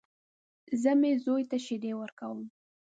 زه مې زوی ته شيدې ورکوم.